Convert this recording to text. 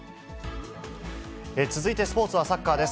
続いてスポーツはサッカーです。